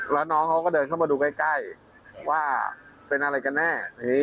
แล้วน้องเขาก็เดินเข้ามาดูใกล้ว่าเป็นอะไรกันแน่